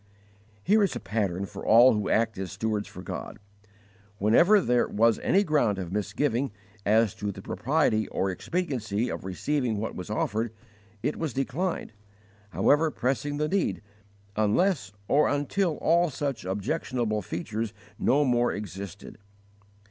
_ Here is a pattern for all who act as stewards for God. Whenever there was any ground of misgiving as to the propriety or expediency of receiving what was offered, it was declined, however pressing the need, unless or until all such objectionable features no more existed.